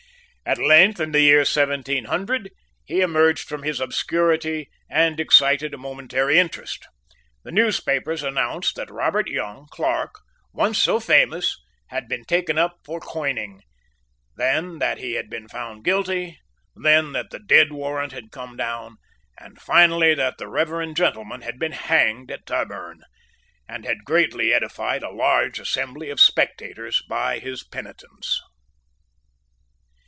At length, in the year 1700, he emerged from his obscurity, and excited a momentary interest. The newspapers announced that Robert Young, Clerk, once so famous, had been taken up for coining, then that he had been found guilty, then that the dead warrant had come down, and finally that the reverend gentleman had been hanged at Tyburn, and had greatly edified a large assembly of spectators by his penitence.